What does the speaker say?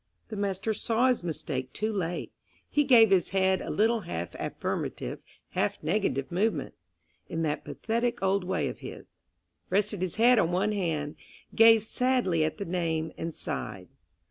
The master saw his mistake too late; he gave his head a little half affirmative, half negative movement, in that pathetic old way of his; rested his head on one hand, gazed sadly at the name, and sighed.